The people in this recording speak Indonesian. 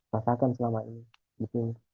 rasakan selama ini